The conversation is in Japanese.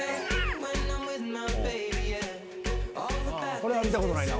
これは見たことないな。